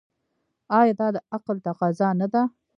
آیا دا د عقل تقاضا نه ده؟